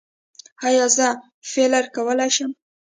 ایا زه فیلر کولی شم؟